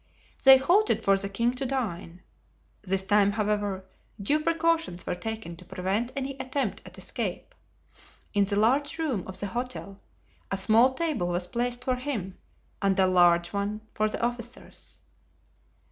They halted for the king to dine. This time, however, due precautions were taken to prevent any attempt at escape. In the large room of the hotel a small table was placed for him and a large one for the officers.